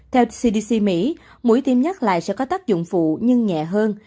theo cdc mỹ mũi tiêm nhắc lại sẽ có tác dụng phụ nhưng nhẹ hơn